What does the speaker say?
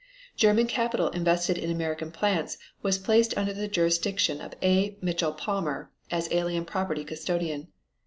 German capital invested in American plants was placed under the jurisdiction of A. Mitchell Palmer as Alien Property Custodian.